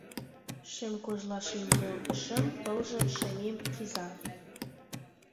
Шем кожла шеҥгел шем пылже шемем кӱза